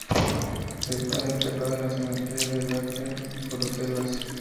Está enterrado en el cementerio de Laeken de Bruselas.